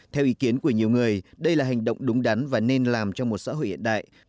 theo ý kiến của nhiều người đây là hành động đúng đắn và nên làm cho một xã hội hiện đại